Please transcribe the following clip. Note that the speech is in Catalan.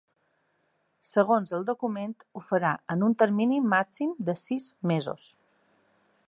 Segons el document, ho farà en un termini màxim de sis mesos.